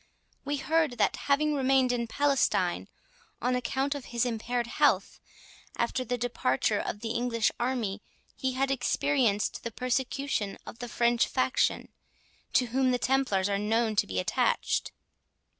—We heard, that, having remained in Palestine, on account of his impaired health, after the departure of the English army, he had experienced the persecution of the French faction, to whom the Templars are known to be attached."